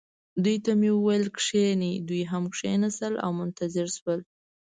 دوی ته مې وویل: کښینئ. دوی هم کښېنستل او منتظر شول.